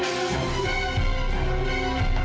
kenapa kamu bisa turun ke sana